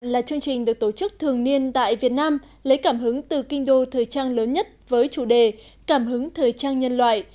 là chương trình được tổ chức thường niên tại việt nam lấy cảm hứng từ kinh đô thời trang lớn nhất với chủ đề cảm hứng thời trang nhân loại